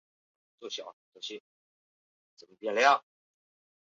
巴盖希是葡萄牙布拉干萨区的一个堂区。